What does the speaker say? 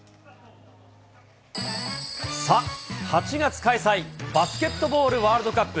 さあ、８月開催、バスケットボールワールドカップ。